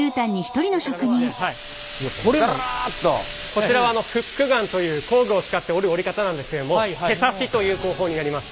こちらはフックガンという工具を使って織る織り方なんですけども手刺しという工法になります。